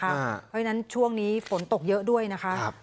เพราะฉะนั้นช่วงนี้ฝนตกเยอะด้วยนะคะ